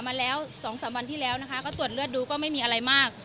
มาแล้ว๒๓วันที่แล้วนะคะก็ตรวจเลือดดูก็ไม่มีอะไรมาก